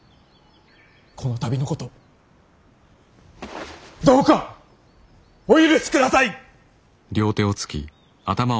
この度のことどうかお許しください！